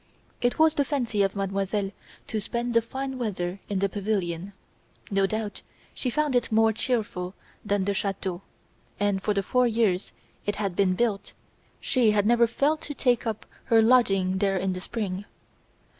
It was the fancy of Mademoiselle to spend the fine weather in the pavilion; no doubt, she found it more cheerful than the chateau and, for the four years it had been built, she had never failed to take up her lodging there in the spring.